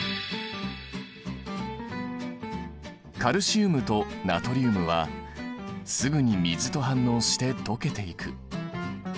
カルシウムとナトリウムはすぐに水と反応して溶けていく。